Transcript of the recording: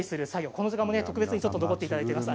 この時間も特別に残っていただいています。